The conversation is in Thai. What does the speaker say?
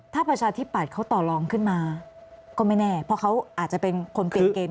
ถ้าประชาธิปัตย์เขาต่อรองขึ้นมาก็ไม่แน่เพราะเขาอาจจะเป็นคนเปลี่ยนเกณฑ์